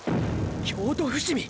京都伏見！！